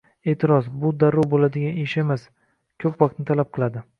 E’tiroz: «Bu darrov bo‘ladigan ish emas, ko‘p vaqtni talab qiladi!».